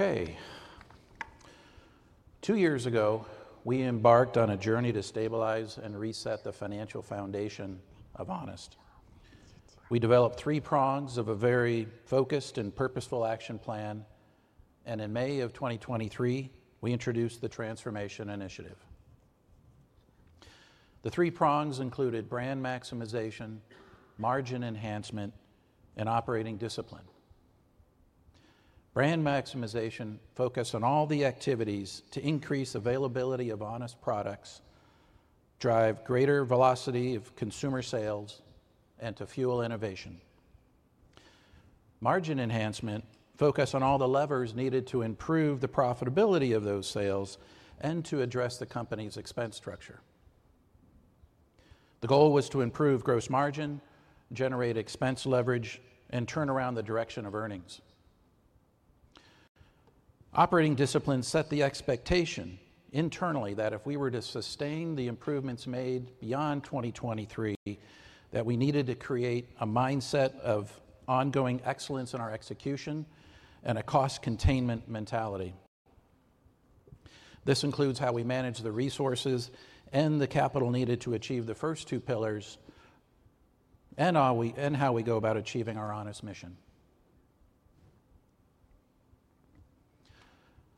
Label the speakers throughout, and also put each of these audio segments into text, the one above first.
Speaker 1: Okay. Two years ago, we embarked on a journey to stabilize and reset the financial foundation of Honest. We developed three prongs of a very focused and purposeful action plan, and in May of 2023, we introduced the Transformation Initiative. The three prongs included Brand Maximization, Margin Enhancement, and Operating Discipline. Brand Maximization focused on all the activities to increase availability of Honest products, drive greater velocity of consumer sales, and to fuel innovation. Margin Enhancement focused on all the levers needed to improve the profitability of those sales and to address the company's expense structure. The goal was to improve gross margin, generate expense leverage, and turn around the direction of earnings. Operating Discipline set the expectation internally that if we were to sustain the improvements made beyond 2023, that we needed to create a mindset of ongoing excellence in our execution and a cost containment mentality. This includes how we manage the resources and the capital needed to achieve the first two pillars, and how we go about achieving our Honest mission.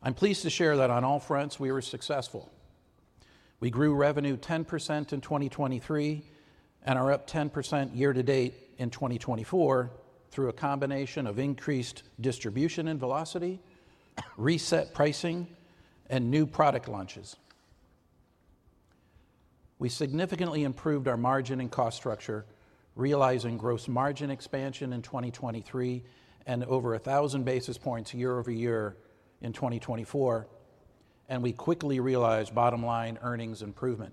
Speaker 1: I'm pleased to share that on all fronts, we were successful. We grew revenue 10% in 2023 and are up 10% year to date in 2024 through a combination of increased distribution and velocity, reset pricing, and new product launches. We significantly improved our margin and cost structure, realizing gross margin expansion in 2023 and over 1,000 basis points year-over-year in 2024, and we quickly realized bottom-line earnings improvement.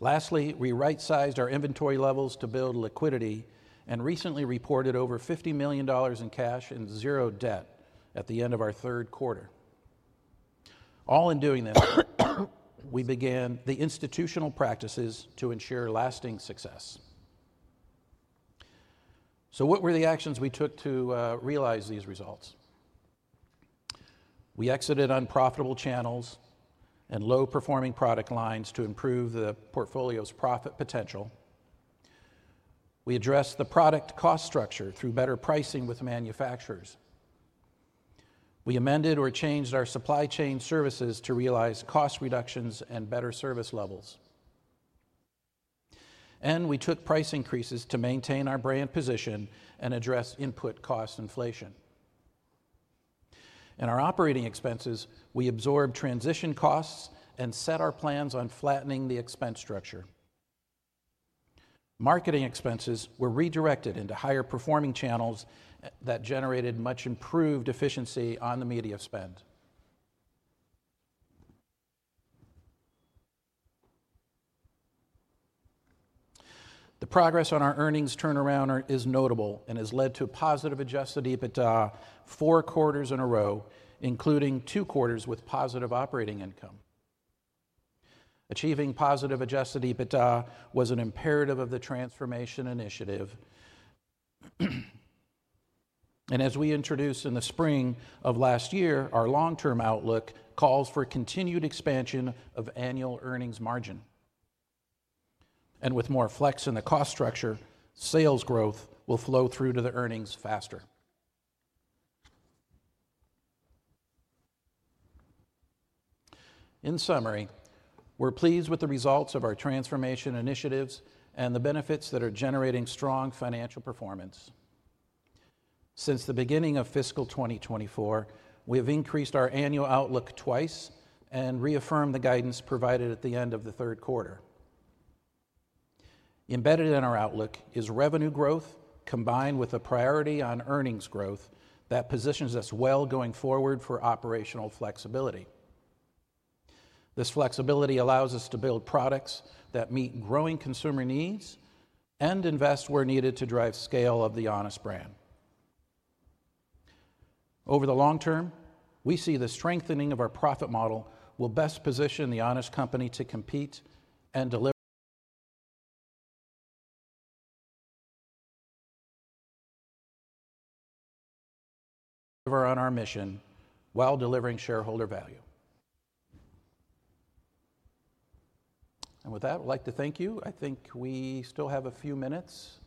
Speaker 1: Lastly, we right-sized our inventory levels to build liquidity and recently reported over $50 million in cash and zero debt at the end of our third quarter. All in doing this, we began the institutional practices to ensure lasting success. So what were the actions we took to realize these results? We exited unprofitable channels and low-performing product lines to improve the portfolio's profit potential. We addressed the product cost structure through better pricing with manufacturers. We amended or changed our supply chain services to realize cost reductions and better service levels, and we took price increases to maintain our brand position and address input cost inflation. In our operating expenses, we absorbed transition costs and set our plans on flattening the expense structure. Marketing expenses were redirected into higher-performing channels that generated much improved efficiency on the media spend. The progress on our earnings turnaround is notable and has led to a positive Adjusted EBITDA four quarters in a row, including two quarters with positive operating income. Achieving positive Adjusted EBITDA was an imperative of the Transformation Initiative, and as we introduced in the spring of last year, our long-term outlook calls for continued expansion of annual earnings margin. With more flex in the cost structure, sales growth will flow through to the earnings faster. In summary, we're pleased with the results of our transformation initiatives and the benefits that are generating strong financial performance. Since the beginning of fiscal 2024, we have increased our annual outlook twice and reaffirmed the guidance provided at the end of the third quarter. Embedded in our outlook is revenue growth combined with a priority on earnings growth that positions us well going forward for operational flexibility. This flexibility allows us to build products that meet growing consumer needs and invest where needed to drive scale of the Honest brand. Over the long term, we see the strengthening of our profit model will best position The Honest Company to compete and deliver on our mission while delivering shareholder value. With that, I'd like to thank you. I think we still have a few minutes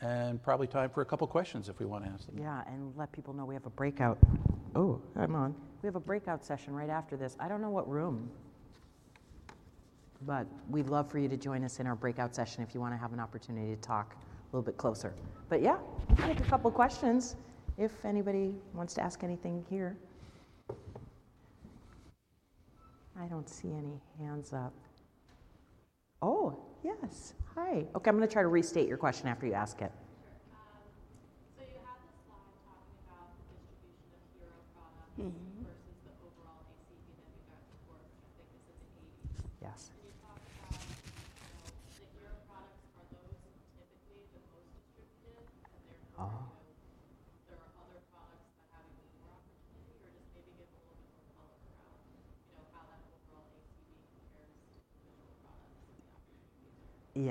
Speaker 1: and probably time for a couple of questions if we want to ask them.
Speaker 2: Yeah, and let people know we have a breakout.
Speaker 1: Oh, come on.
Speaker 2: We have a breakout session right after this. I don't know what room, but we'd love for you to join us in our breakout session if you want to have an opportunity to talk a little bit closer. But yeah, we'll take a couple of questions if anybody wants to ask anything here. I don't see any hands up. Oh, yes. Hi. Okay, I'm going to try to restate your question after you ask it.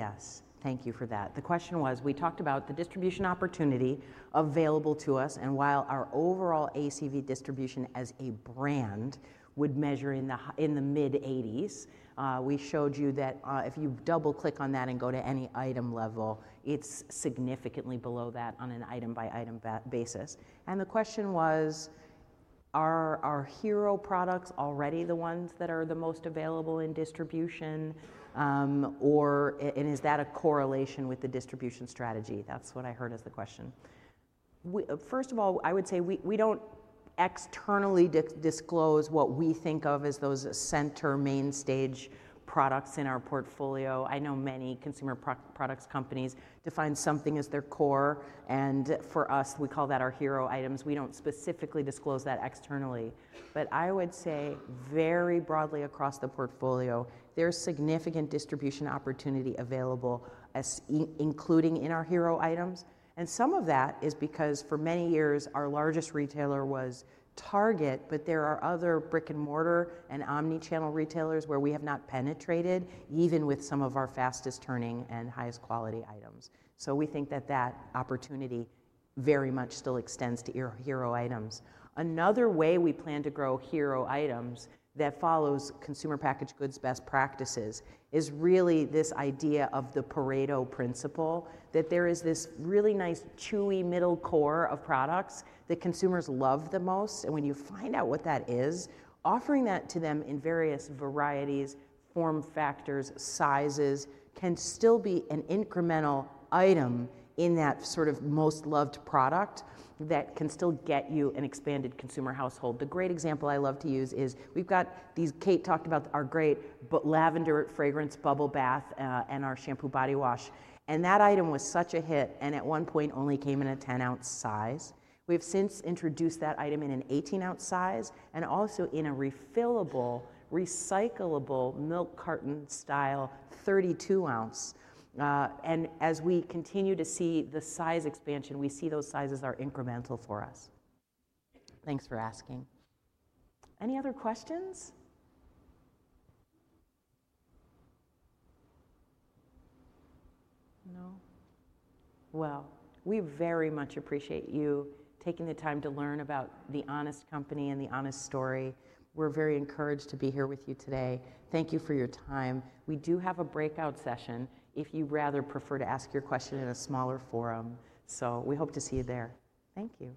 Speaker 2: Sure, so you had this slide talking about the distribution of hero products versus the overall ACV that we got before, which I think is in the 80s. Yes. And you talked about the hero products, are those typically the most distributed? And there are other products that have even more opportunity? Or just maybe give a little bit more color around how that overall ACV compares to the household products and the opportunities there? Yes. Thank you for that. The question was, we talked about the distribution opportunity available to us. And while our overall ACV distribution as a brand would measure in the mid-80s, we showed you that if you double-click on that and go to any item level, it's significantly below that on an item-by-item basis. And the question was, are our hero products already the ones that are the most available in distribution? And is that a correlation with the distribution strategy? That's what I heard as the question. First of all, I would say we don't externally disclose what we think of as those center main stage products in our portfolio. I know many consumer products companies define something as their core. And for us, we call that our hero items. We don't specifically disclose that externally. But I would say very broadly across the portfolio, there's significant distribution opportunity available, including in our hero items. And some of that is because for many years, our largest retailer was Target, but there are other brick-and-mortar and omnichannel retailers where we have not penetrated, even with some of our fastest turning and highest quality items. So we think that that opportunity very much still extends to hero items. Another way we plan to grow hero items that follows consumer packaged goods best practices is really this idea of the Pareto Principle, that there is this really nice chewy middle core of products that consumers love the most. And when you find out what that is, offering that to them in various varieties, form factors, sizes can still be an incremental item in that sort of most loved product that can still get you an expanded consumer household. The great example I love to use is we've got these. Kate talked about our great lavender fragrance bubble bath and our shampoo body wash, and that item was such a hit, and at one point only came in a 10-ounce size. We have since introduced that item in an 18-ounce size and also in a refillable, recyclable milk carton style 32-ounce, and as we continue to see the size expansion, we see those sizes are incremental for us. Thanks for asking. Any other questions? No? Well, we very much appreciate you taking the time to learn about the Honest Company and the Honest story. We're very encouraged to be here with you today. Thank you for your time. We do have a breakout session if you rather prefer to ask your question in a smaller forum, so we hope to see you there. Thank you.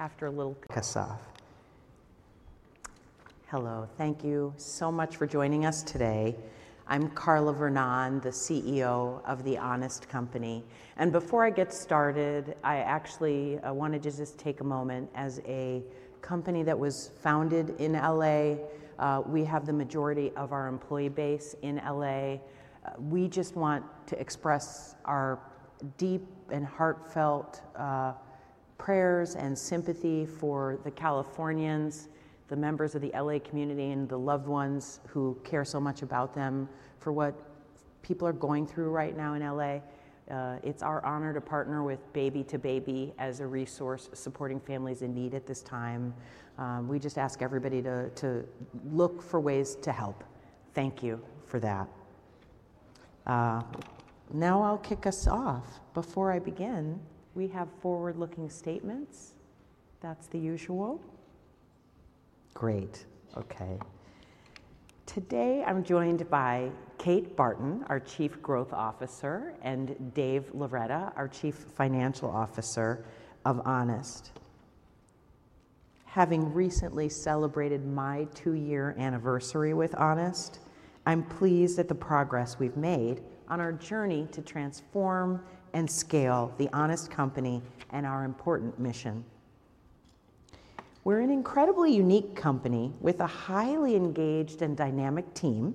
Speaker 2: After a little... Hello. Thank you so much for joining us today. I'm Carla Vernón, the CEO of The Honest Company. And before I get started, I actually wanted to just take a moment. As a company that was founded in LA, we have the majority of our employee base in LA. We just want to express our deep and heartfelt prayers and sympathy for the Californians, the members of the LA community, and the loved ones who care so much about them for what people are going through right now in LA. It's our honor to partner with Baby2Baby as a resource supporting families in need at this time. We just ask everybody to look for ways to help. Thank you for that. Now I'll kick us off. Before I begin, we have forward-looking statements. That's the usual. Great. Okay. Today I'm joined by Kate Barton, our Chief Growth Officer, and Dave Loretta, our Chief Financial Officer of Honest. Having recently celebrated my two-year anniversary with Honest, I'm pleased at the progress we've made on our journey to transform and scale the Honest Company and our important mission. We're an incredibly unique company with a highly engaged and dynamic team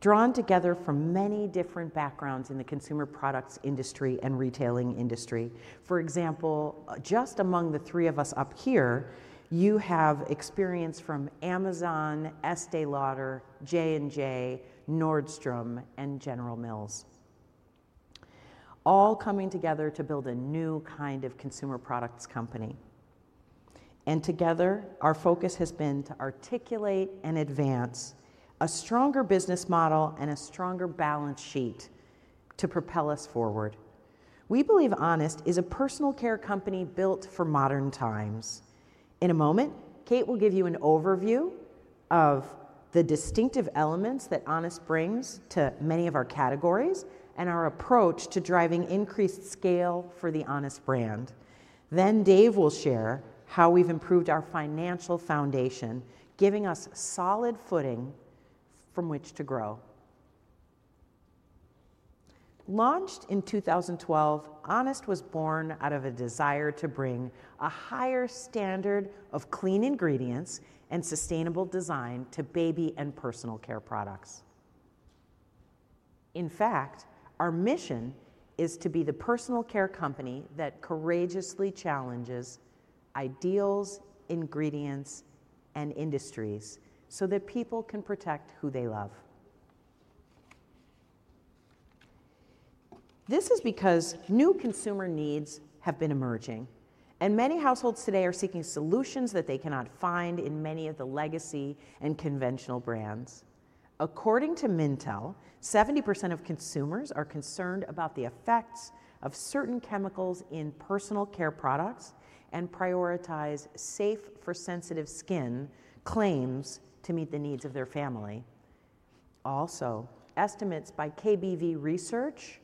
Speaker 2: drawn together from many different backgrounds in the consumer products industry and retailing industry. For example, just among the three of us up here, you have experience from Amazon, Estée Lauder, J&J, Nordstrom, and General Mills, all coming together to build a new kind of consumer products company, and together, our focus has been to articulate and advance a stronger business model and a stronger balance sheet to propel us forward. We believe Honest is a personal care company built for modern times. In a moment, Kate will give you an overview of the distinctive elements that Honest brings to many of our categories and our approach to driving increased scale for the Honest brand. Then Dave will share how we've improved our financial foundation, giving us solid footing from which to grow. Launched in 2012, Honest was born out of a desire to bring a higher standard of clean ingredients and sustainable design to baby and personal care products. In fact, our mission is to be the personal care company that courageously challenges ideals, ingredients, and industries so that people can protect who they love. This is because new consumer needs have been emerging, and many households today are seeking solutions that they cannot find in many of the legacy and conventional brands. According to Mintel, 70% of consumers are concerned about the effects of certain chemicals in personal care products and prioritize safe-for-sensitive skin claims to meet the needs of their family. Also, estimates by KBV Research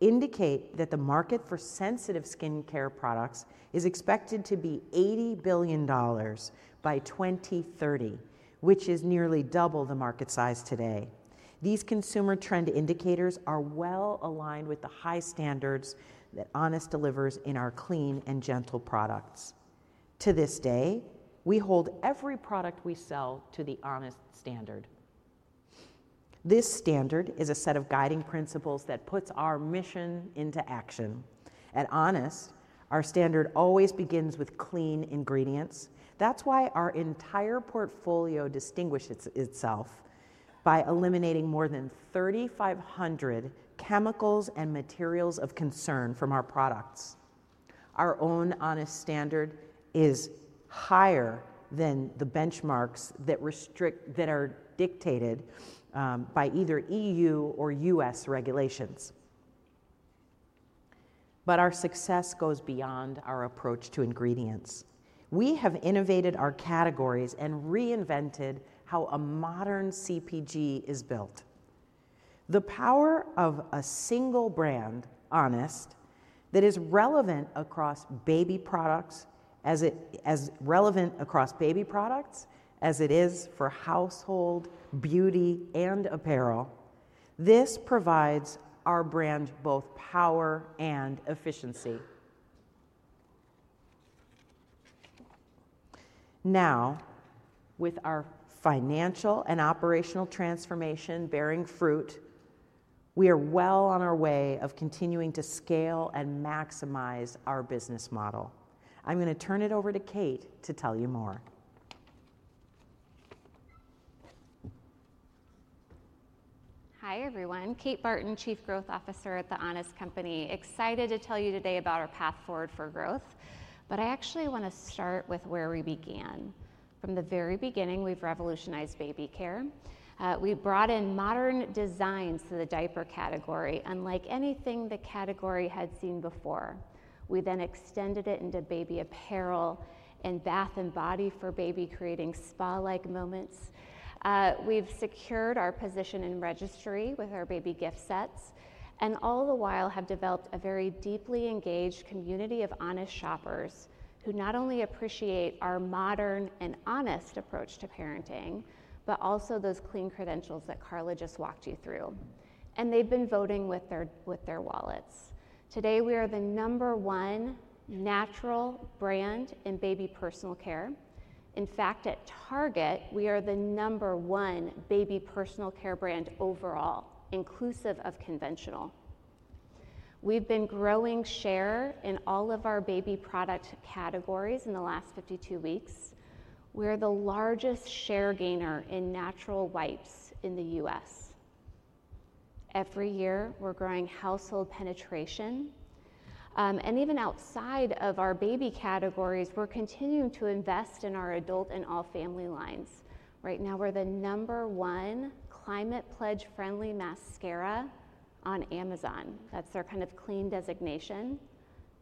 Speaker 2: indicate that the market for sensitive skin care products is expected to be $80 billion by 2030, which is nearly double the market size today. These consumer trend indicators are well aligned with the high standards that Honest delivers in our clean and gentle products. To this day, we hold every product we sell to the Honest Standard. This standard is a set of guiding principles that puts our mission into action. At Honest, our standard always begins with clean ingredients. That's why our entire portfolio distinguishes itself by eliminating more than 3,500 chemicals and materials of concern from our products. Our own Honest Standard is higher than the benchmarks that are dictated by either E.U. or U.S. regulations. But our success goes beyond our approach to ingredients. We have innovated our categories and reinvented how a modern CPG is built. The power of a single brand, Honest, that is relevant across baby products as it is for household beauty and apparel, this provides our brand both power and efficiency. Now, with our financial and operational transformation bearing fruit, we are well on our way of continuing to scale and maximize our business model. I'm going to turn it over to Kate to tell you more.
Speaker 3: Hi everyone. Kate Barton, Chief Growth Officer at The Honest Company. Excited to tell you today about our path forward for growth. But I actually want to start with where we began. From the very beginning, we've revolutionized baby care. We brought in modern designs to the diaper category, unlike anything the category had seen before. We then extended it into baby apparel and bath and body for baby, creating spa-like moments. We've secured our position in registry with our baby gift sets, and all the while have developed a very deeply engaged community of Honest shoppers who not only appreciate our modern and honest approach to parenting, but also those clean credentials that Carla just walked you through, and they've been voting with their wallets. Today, we are the number one natural brand in baby personal care. In fact, at Target, we are the number one baby personal care brand overall, inclusive of conventional. We've been growing share in all of our baby product categories in the last 52 weeks. We're the largest share gainer in natural wipes in the U.S. Every year, we're growing household penetration. Even outside of our baby categories, we're continuing to invest in our adult and all family lines. Right now, we're the number one Climate Pledge Friendly mascara on Amazon. That's their kind of clean designation.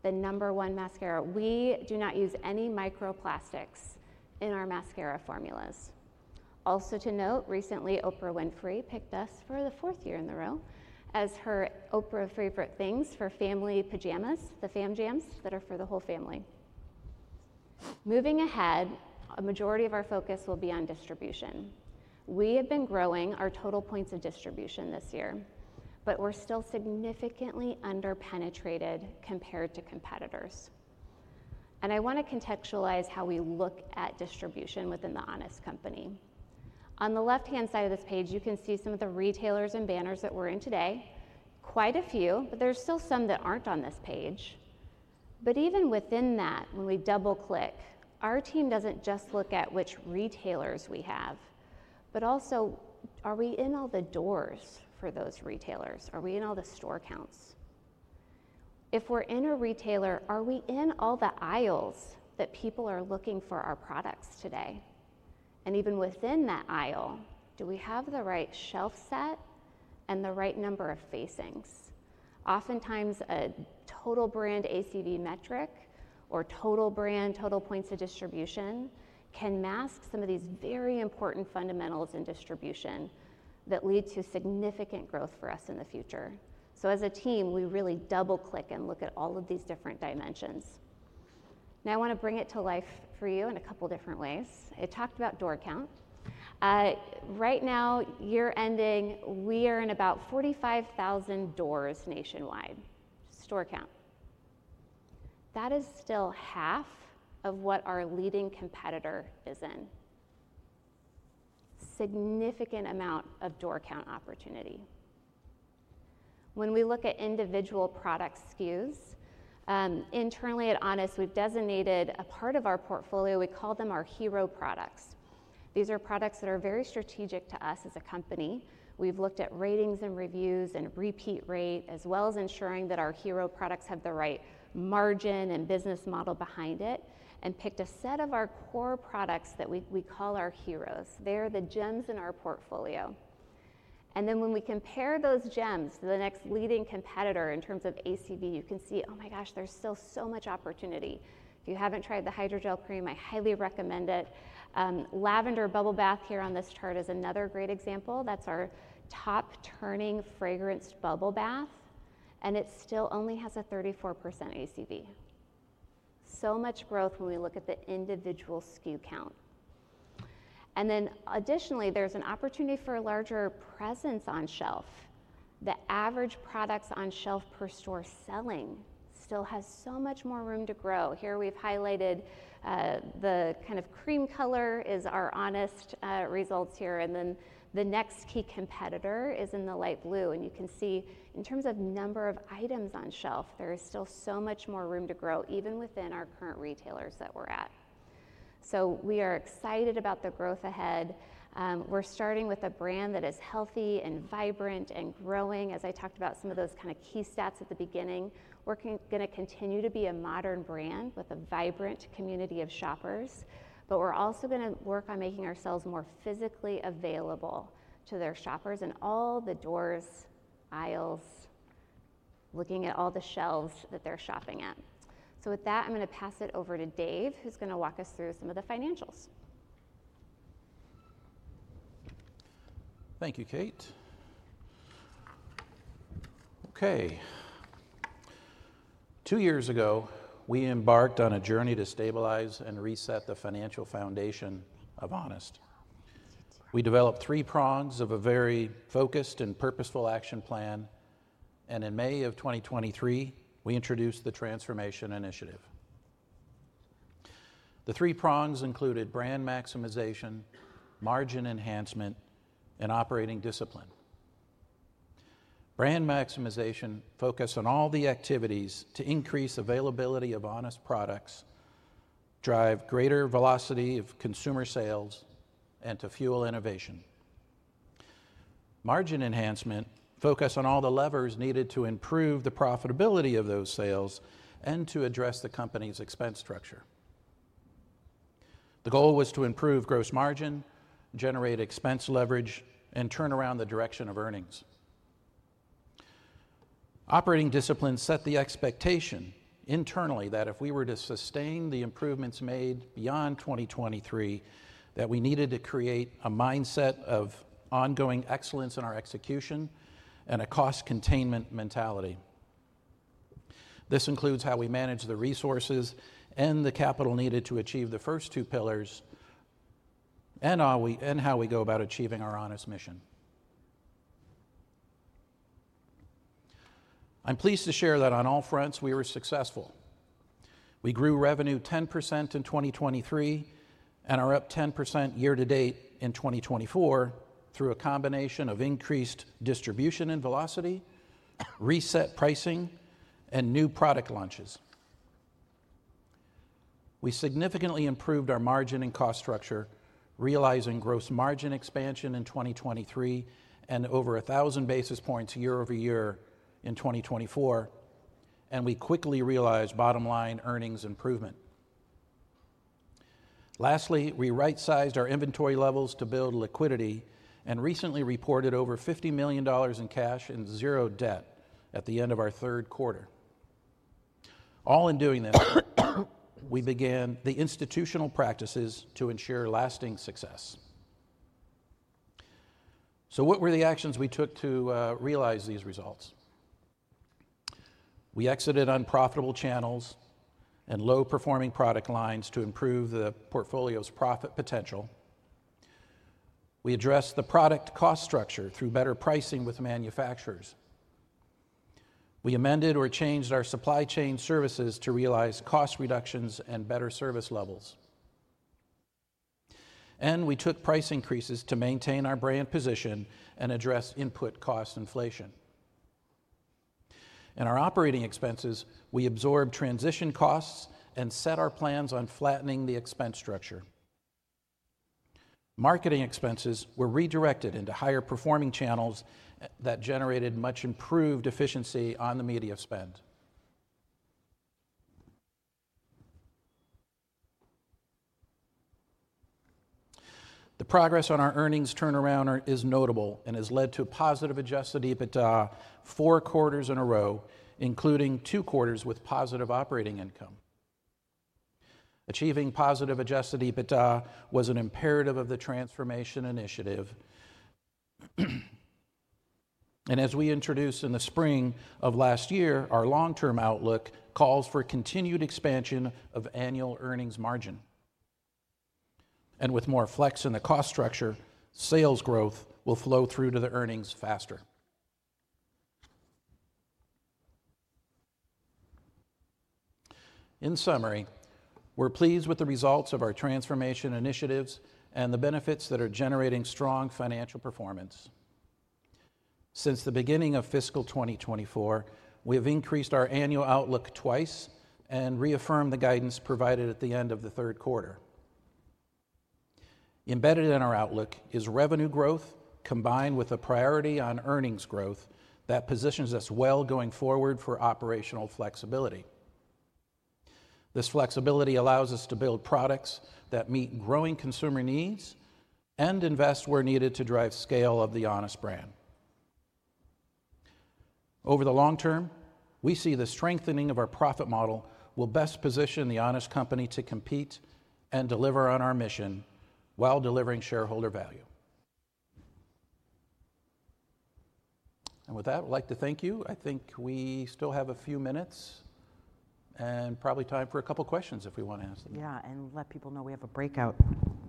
Speaker 3: The number one mascara. We do not use any microplastics in our mascara formulas. Also to note, recently, Oprah Winfrey picked us for the fourth year in a row as her Oprah's Favorite Things for family pajamas, the Fam Jams that are for the whole family. Moving ahead, a majority of our focus will be on distribution. We have been growing our total points of distribution this year, but we're still significantly underpenetrated compared to competitors. And I want to contextualize how we look at distribution within the Honest Company. On the left-hand side of this page, you can see some of the retailers and banners that we're in today. Quite a few, but there's still some that aren't on this page. But even within that, when we double-click, our team doesn't just look at which retailers we have, but also, are we in all the doors for those retailers? Are we in all the store counts? If we're in a retailer, are we in all the aisles that people are looking for our products today? And even within that aisle, do we have the right shelf set and the right number of facings? Oftentimes, a total brand ACV metric or total brand, total points of distribution can mask some of these very important fundamentals in distribution that lead to significant growth for us in the future. So as a team, we really double-click and look at all of these different dimensions. Now I want to bring it to life for you in a couple of different ways. I talked about door count. Right now, year ending, we are in about 45,000 doors nationwide. Store count. That is still half of what our leading competitor is in. Significant amount of door count opportunity. When we look at individual product SKUs, internally at Honest, we've designated a part of our portfolio. We call them our hero products. These are products that are very strategic to us as a company. We've looked at ratings and reviews and repeat rate, as well as ensuring that our hero products have the right margin and business model behind it, and picked a set of our core products that we call our heroes. They are the gems in our portfolio. And then when we compare those gems to the next leading competitor in terms of ACV, you can see, oh my gosh, there's still so much opportunity. If you haven't tried the Hydrogel Cream, I highly recommend it. Lavender Bubble Bath here on this chart is another great example. That's our top turning fragranced bubble bath. And it still only has a 34% ACV. So much growth when we look at the individual SKU count. And then additionally, there's an opportunity for a larger presence on shelf. The average products on shelf per store selling still has so much more room to grow. Here we've highlighted the kind of cream color is our Honest results here. And then the next key competitor is in the light blue. And you can see in terms of number of items on shelf, there is still so much more room to grow, even within our current retailers that we're at. So we are excited about the growth ahead. We're starting with a brand that is healthy and vibrant and growing. As I talked about some of those kind of key stats at the beginning, we're going to continue to be a modern brand with a vibrant community of shoppers. But we're also going to work on making ourselves more physically available to their shoppers in all the doors, aisles, looking at all the shelves that they're shopping at. So with that, I'm going to pass it over to Dave, who's going to walk us through some of the financials.
Speaker 1: Thank you, Kate. Okay. Two years ago, we embarked on a journey to stabilize and reset the financial foundation of Honest. We developed three prongs of a very focused and purposeful action plan. And in May of 2023, we introduced the Transformation Initiative. The three prongs included Brand Maximization, Margin Enhancement, and Operating Discipline.
Speaker 2: Brand Maximization focused on all the activities to increase availability of Honest products, drive greater velocity of consumer sales, and to fuel innovation. Margin Enhancement focused on all the levers needed to improve the profitability of those sales and to address the company's expense structure. The goal was to improve gross margin, generate expense leverage, and turn around the direction of earnings. Operating Discipline set the expectation internally that if we were to sustain the improvements made beyond 2023, that we needed to create a mindset of ongoing excellence in our execution and a cost containment mentality. This includes how we manage the resources and the capital needed to achieve the first two pillars and how we go about achieving our Honest mission. I'm pleased to share that on all fronts, we were successful. We grew revenue 10% in 2023 and are up 10% year to date in 2024 through a combination of increased distribution and velocity, reset pricing, and new product launches. We significantly improved our margin and cost structure, realizing gross margin expansion in 2023 and over 1,000 basis points year-over-year in 2024, and we quickly realized bottom line earnings improvement. Lastly, we right-sized our inventory levels to build liquidity and recently reported over $50 million in cash and zero debt at the end of our third quarter. All in doing this, we began the institutional practices to ensure lasting success, so what were the actions we took to realize these results? We exited unprofitable channels and low-performing product lines to improve the portfolio's profit potential. We addressed the product cost structure through better pricing with manufacturers. We amended or changed our supply chain services to realize cost reductions and better service levels, and we took price increases to maintain our brand position and address input cost inflation. In our operating expenses, we absorbed transition costs and set our plans on flattening the expense structure. Marketing expenses were redirected into higher-performing channels that generated much improved efficiency on the media spend. The progress on our earnings turnaround is notable and has led to a positive Adjusted EBITDA four quarters in a row, including two quarters with positive operating income. Achieving positive Adjusted EBITDA was an imperative of the Transformation Initiative, and as we introduced in the spring of last year, our long-term outlook calls for continued expansion of annual earnings margin, and with more flex in the cost structure, sales growth will flow through to the earnings faster. In summary, we're pleased with the results of our transformation initiatives and the benefits that are generating strong financial performance. Since the beginning of fiscal 2024, we have increased our annual outlook twice and reaffirmed the guidance provided at the end of the third quarter. Embedded in our outlook is revenue growth combined with a priority on earnings growth that positions us well going forward for operational flexibility. This flexibility allows us to build products that meet growing consumer needs and invest where needed to drive scale of the Honest brand. Over the long term, we see the strengthening of our profit model will best position the Honest Company to compete and deliver on our mission while delivering shareholder value. And with that, I'd like to thank you. I think we still have a few minutes and probably time for a couple of questions if we want to ask them. Yeah, and let people know we have a breakout.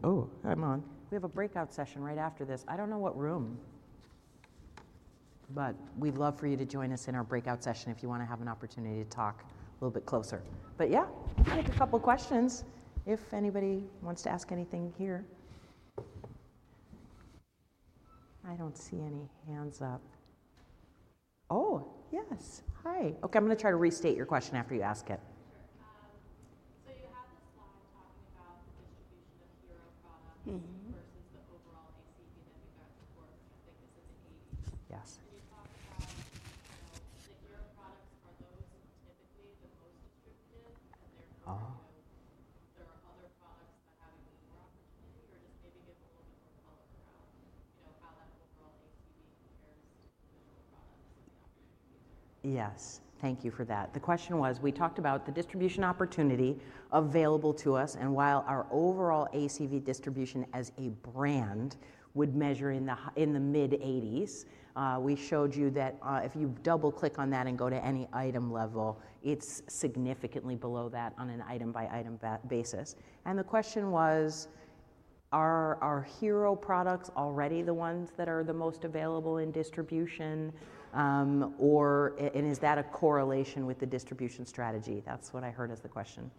Speaker 1: Oh, come on.
Speaker 2: We have a breakout session right after this. I don't know what room, but we'd love for you to join us in our breakout session if you want to have an opportunity to talk a little bit closer. But yeah, we can take a couple of questions if anybody wants to ask anything here. I don't see any hands up. Oh, yes. Hi. Okay, I'm going to try to restate your question after you ask it. Sure. So you had this slide talking about the distribution of hero products versus the overall ACV that you got to work, which I think is in the 80s. Yes. Can you talk about the hero products? Are those typically the most distributed? And there are other products that have even more opportunity? Or just maybe give a little bit more color around how that overall ACV compares to the hero products and the opportunities there? Yes. Thank you for that. The question was, we talked about the distribution opportunity available to us. And while our overall ACV distribution as a brand would measure in the mid-80s, we showed you that if you double-click on that and go to any item level, it's significantly below that on an item-by-item basis. And the question was, are our hero products already the ones that are the most available in distribution? And is that a correlation with the distribution strategy? That's what I heard as the question.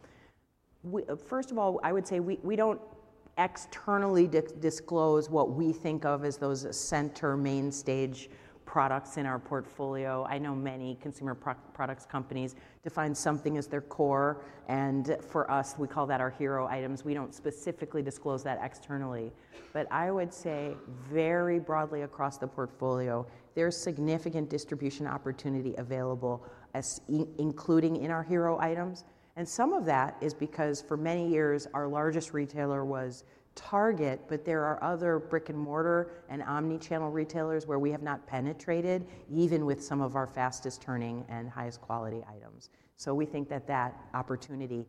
Speaker 2: First of all, I would say we don't externally disclose what we think of as those center main stage products in our portfolio. I know many consumer products companies define something as their core. And for us, we call that our hero items. We don't specifically disclose that externally. But I would say very broadly across the portfolio, there's significant distribution opportunity available, including in our hero items. And some of that is because for many years, our largest retailer was Target, but there are other brick-and-mortar and omnichannel retailers where we have not penetrated, even with some of our fastest turning and highest quality items. So we think that that opportunity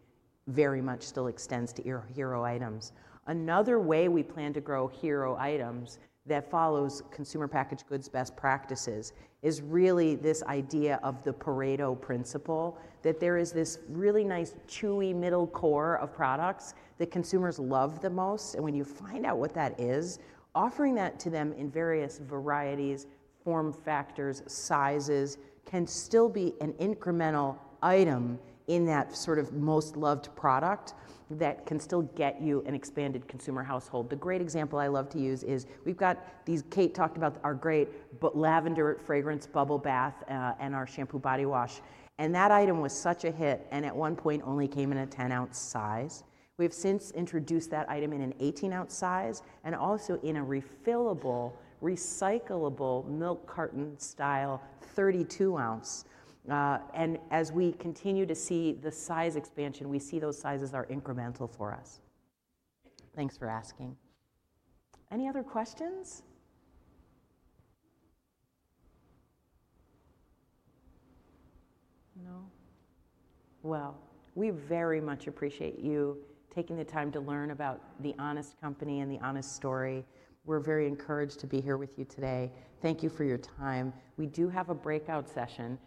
Speaker 2: very much still extends to hero items. Another way we plan to grow hero items that follows consumer packaged goods best practices is really this idea of the Pareto Principle, that there is this really nice chewy middle core of products that consumers love the most. When you find out what that is, offering that to them in various varieties, form factors, sizes can still be an incremental item in that sort of most loved product that can still get you an expanded consumer household. The great example I love to use is we've got these Kate talked about our great lavender fragrance bubble bath and our shampoo body wash. That item was such a hit and at one point only came in a 10-ounce size. We have since introduced that item in an 18-ounce size and also in a refillable, recyclable milk carton style 32-ounce. As we continue to see the size expansion, we see those sizes are incremental for us. Thanks for asking. Any other questions? No? We very much appreciate you taking the time to learn about the Honest Company and the Honest story. We're very encouraged to be here with you today. Thank you for your time. We do have a breakout session.